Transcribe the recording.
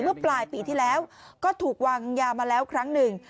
เมื่อปลายปีที่แล้วก็ถูกวางยามาแล้วครั้งหนึ่ง